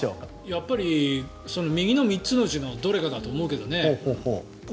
やっぱり右の３つのうちのどれかだと思うけどね。